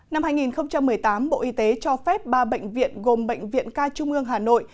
năm hai nghìn một mươi tám bộ y tế cho phép ba bệnh viện gồm bệnh viện ca trung ương hà nội